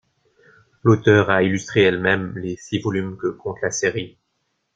L'auteur a illustré elle-même les six volumes que compte la série.